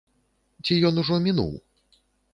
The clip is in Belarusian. Ці ён ужо мінуў?